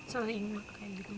sering makan gitu